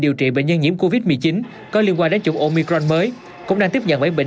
điều trị bệnh nhân nhiễm covid một mươi chín có liên quan đến chủng omicron mới cũng đang tiếp nhận bởi bệnh